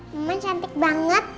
mama cantik banget